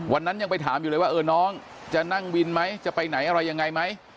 วันนั้นยังไปถามอยู่เลยว่าเออน้องจะนั่งวินไหมจะไปไหนอะไรยังไงไหม